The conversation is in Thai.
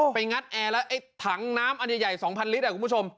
งัดแอร์แล้วไอ้ถังน้ำอันใหญ่๒๐๐ลิตรคุณผู้ชม